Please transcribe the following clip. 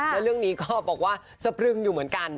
แล้วเรื่องนี้ก็บอกว่าสะพรึงอยู่เหมือนกัน